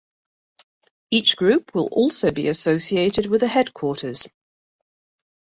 Each group will also be associated with a headquarters.